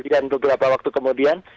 dan beberapa waktu kemudian